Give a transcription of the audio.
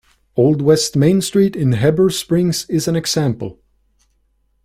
Old West Main Street in Heber Springs is an example.